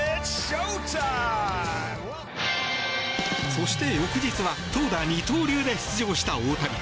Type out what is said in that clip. そして翌日は投打二刀流で出場した大谷。